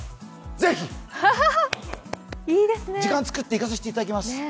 ぜひ！時間作って行かせていただきます。